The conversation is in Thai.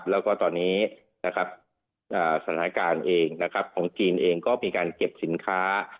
แล้วก็ตอนนี้สถานการณ์ของจีนเองก็มีการเก็บสินค้า